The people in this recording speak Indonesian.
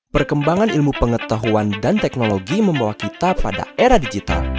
perkembangan ilmu pengetahuan dan teknologi membawa kita pada era digital